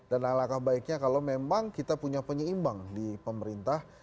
dan alangkah baiknya kalau memang kita punya penyeimbang di pemerintah